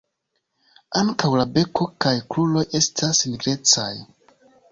Ankaŭ la beko kaj kruroj estas nigrecaj.